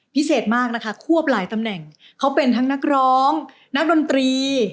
พิเศษมากนะคะควบหลายตำแหน่งเขาเป็นทั้งนักร้องนักดนตรี